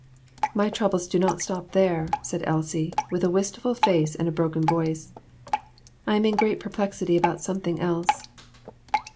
" My troubles do not stop there," said Elsie, with a wistful face and broken voice ;" I am in great perplexity about something else.